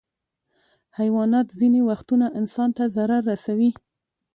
حیوانات ځینې وختونه انسان ته ضرر رسوي.